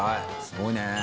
すごいね」